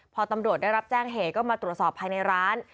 พอตำรวจได้รับแจ้งเหตุก็มาตรวจสอบภายในร้าน